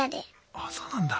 あそうなんだ。